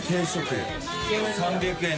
３００円。